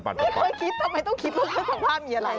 ไม่เคยคิดทำไมต้องคิดว่าเรื่องของภาพมีอะไร